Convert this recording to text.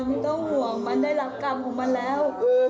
ไม่ต้องห่วงมันได้รับกรรมของมันแล้ว